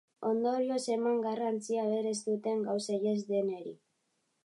Ondorioz eman garrantzia berez duten gauzei ez deneri.